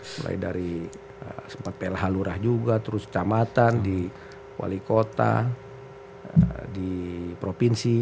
mulai dari sempat plh lurah juga terus kecamatan di wali kota di provinsi